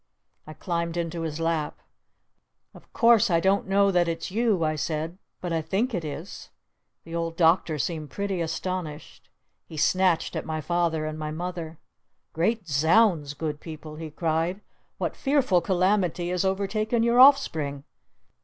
I climbed into his lap. "Of course I don't know that it's you," I said. "But I think it is!" The Old Doctor seemed pretty astonished. He snatched at my Father and my Mother. "Great Zounds, Good People!" he cried. "What fearful calamity has overtaken your offspring?"